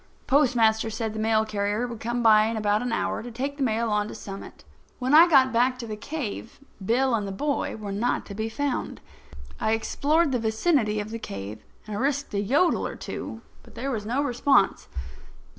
The postmaster said the mail carrier would come by in an hour to take the mail on to Summit. When I got back to the cave Bill and the boy were not to be found. I explored the vicinity of the cave, and risked a yodel or two, but there was no response.